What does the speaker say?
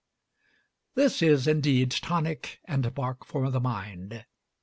This is indeed tonic and bark for the mind.